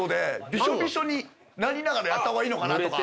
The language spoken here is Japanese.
びしょびしょになりながらやった方がいいのかなとか。